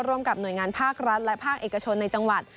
ร่วมกับหน่วยงานภาครัฐและภาคเอกชนในจังหวัด